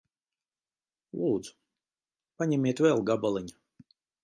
Lūdzu. Paņemiet vēl gabaliņu.